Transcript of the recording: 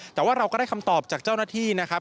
แต่ว่าเราก็ได้คำตอบจากเจ้าหน้าที่นะครับ